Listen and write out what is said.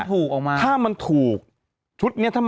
ถ้ามันถูกออกมา